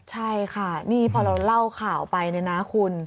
ใช่ค่ะนี่พอเราเล่าข่าวไปเนี่ยนะคุณ